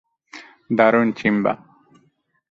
দারুণ, সিম্বা!